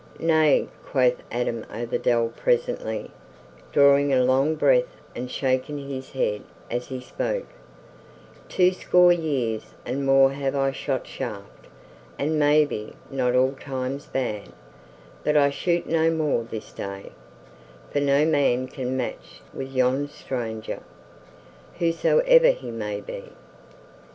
"Nay," quoth old Adam o' the Dell presently, drawing a long breath and shaking his head as he spoke, "twoscore years and more have I shot shaft, and maybe not all times bad, but I shoot no more this day, for no man can match with yon stranger, whosoe'er he may be."